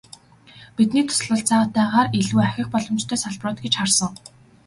Бидний туслалцаатайгаар илүү ахих боломжтой салбарууд гэж харсан.